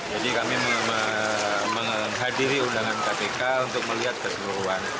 jadi kami menghadiri undangan kpk untuk melihat keseluruhan